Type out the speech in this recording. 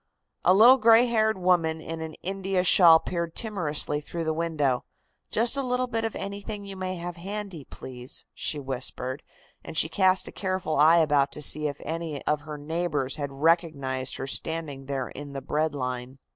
A little gray haired woman in an India shawl peered timorously through the window. "Just a little bit of anything you may have handy, please," she whispered, and she cast a careful eye about to see of any of her neighbors had recognized her standing there in the "bread line."